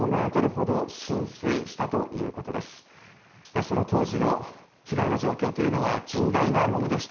４．５ｍほど浸水したということです。